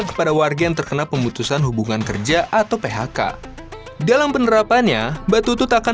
kepada warga yang terkena pemutusan hubungan kerja atau phk dalam penerapannya mbak tutut akan